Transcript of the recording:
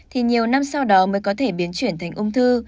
thì nhiều năm sau đó mới có thể biến chuyển thành ung thư